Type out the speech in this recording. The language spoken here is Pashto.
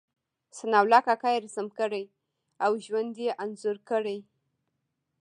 ثناء الله کاکا يې رسم کړی او ژوند یې انځور کړی.